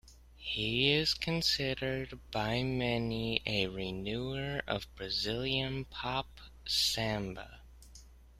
He is considered by many a renewer of Brazilian pop samba.